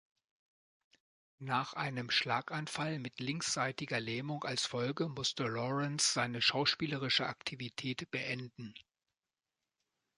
Nach einem Schlaganfall mit linksseitiger Lähmung als Folge musste Laurence seine schauspielerische Aktivität beenden.